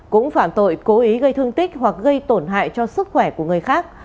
cũng phạm tội cố ý gây thương tích hoặc gây tổn hại cho sức khỏe của người khác